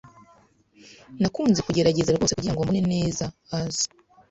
Nakunze kugerageza rwose kugirango mbone neza As.